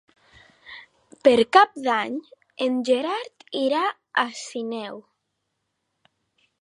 Per Cap d'Any en Gerard irà a Sineu.